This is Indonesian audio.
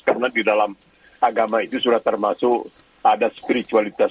karena di dalam agama itu sudah termasuk ada spiritualitas